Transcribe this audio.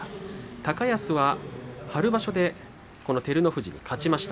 高安は春場所で照ノ富士に勝ちました。